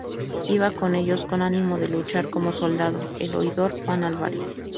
Iba con ellos, con ánimo de luchar como soldado, el oidor Juan Álvarez.